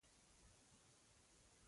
اکبرجان د پګړۍ په ولونو لاس تېر کړ.